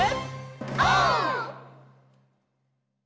オー！